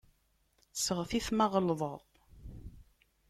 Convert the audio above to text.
Seɣtit ma ɣelḍeɣ.